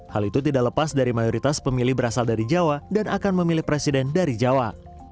hal itu tidak lepas dari mayoritas pemilih berasal dari jawa dan akan memilih presiden dari jawa